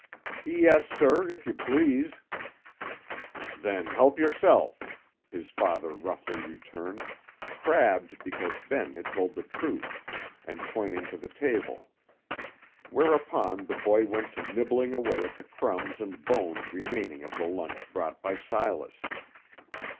"Yes, sir, if you please." "Then help yourself," his father roughly returned, crabbed because Ben had told the truth, and pointing to the table; whereupon the boy went to nibbling away at the crumbs and bones remaining of the lunch brought by Silas.